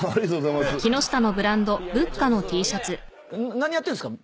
何やってんすか？